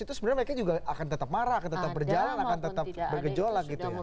itu sebenarnya mereka juga akan tetap marah akan tetap berjalan akan tetap bergejolak gitu ya